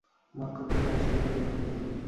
নক্ষত্ররায় শিহরিয়া উঠিলেন।